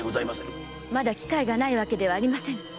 まだ機会がないわけではありませぬ。